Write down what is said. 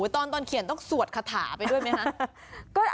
ตอนเขียนต้องสวดคาถาไปด้วยไหมคะ